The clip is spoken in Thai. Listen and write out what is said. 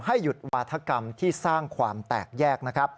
ให้หยุดวาธกรรมที่สร้างความแตกแยก